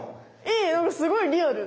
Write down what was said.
いいすごいリアル。